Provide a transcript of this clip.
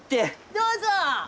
どうぞ！